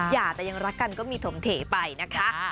อย่าแต่ยังรักกันก็มีถมเถไปนะคะ